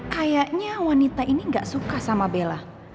kayaknya wanita ini gak suka sama bella